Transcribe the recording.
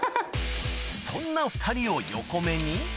そんな２人を横目に